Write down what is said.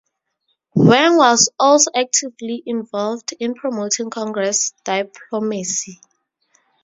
Wang was also actively involved in promoting congress diplomacy.